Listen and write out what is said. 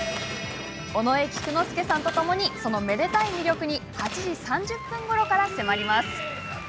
尾上菊之助さんとともにその、めでたい魅力に８時３０分ごろから迫ります。